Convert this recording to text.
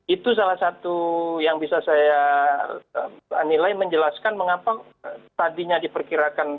itu salah satu yang bisa saya nilai menjelaskan mengapa tadinya diperkirakan